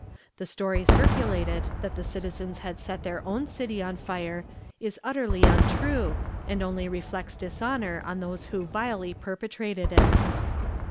The story circulated, that the citizens had set their own city on fire, is utterly untrue, and only reflects dishonor on those who vilely perpetrated it.